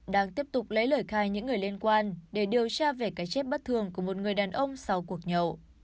đang tiếp tục lấy lời khai những người liên quan để điều tra về cái chết bất thường của một người đàn ông sau cuộc nhậu